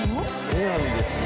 絵なんですね。